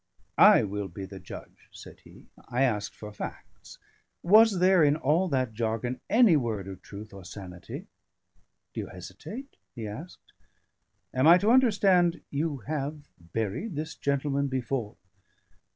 "I Will be the judge," said he. "I ask for facts. Was there, in all that jargon, any word of truth or sanity? Do you hesitate?" he asked. "Am I to understand you have buried this gentleman before?"